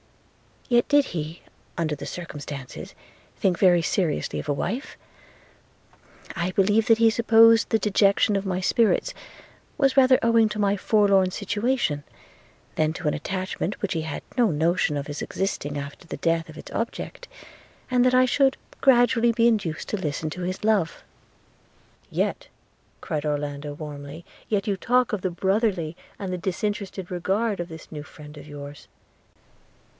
Yet did he, under such circumstances, think very seriously of a wife – I believe that he supposed the dejection of my spirits was rather owing to my forlorn situation, than to an attachment which he had no notion of as existing after the death of its object, and that I should gradually be induced to listen to his love.' 'Yet,' cried Orlando warmly, 'yet you talk of the brotherly and the disinterested regard of this new friend of yours.'